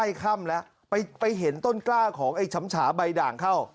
ค่ำแล้วไปเห็นต้นกล้าของไอ้ฉำฉาใบด่างเข้า